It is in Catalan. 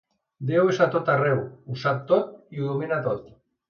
Déu és a tot arreu, ho sap tot i ho domina tot.